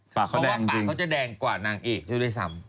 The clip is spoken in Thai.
เพราะว่าปากเขาจะแดงกว่านางเอกที่ได้ซ้ำ